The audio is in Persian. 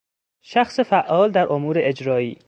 شخص فعال در امور اجرایی